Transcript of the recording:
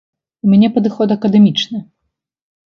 У мяне падыход акадэмічны.